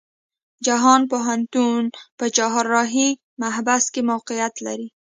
جهان پوهنتون په چهارراهی محبس کې موقيعت لري.